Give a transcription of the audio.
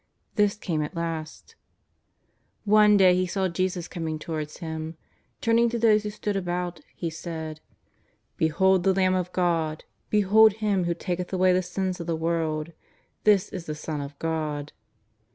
This came at last. One day he saw Jesus coming towards him. Turning to those who stood about, he said :" Behold the Lamb of God, behold Him who taketh away the sin of the world, this is the Son of God.'